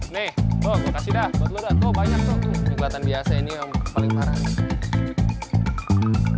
nih toh gue kasih dah buat lo banyak tuh yang kelihatan biasa ini yang paling parah